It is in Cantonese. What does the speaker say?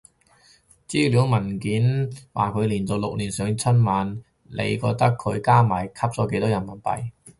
資料文件話佢連續六年上央視春晚，你覺得佢加埋吸咗幾多人民幣？